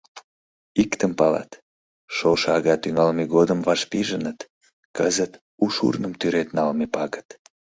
Иктым палат: шошо ага тӱҥалме годым вашпижыныт, кызыт у шурным тӱред налме пагыт.